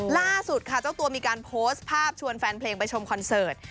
ล่าสุดค่ะเจ้าตัวมีการโพสต์ภาพชวนแฟนเพลงไปชมคอนเสิร์ต